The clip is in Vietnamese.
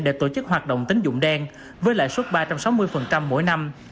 để tổ chức hoạt động tính dụng đen với lãi suất ba trăm sáu mươi mỗi năm